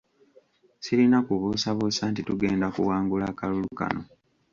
Sirina kubuusabuusa nti tugenda kuwangula akalulu kano.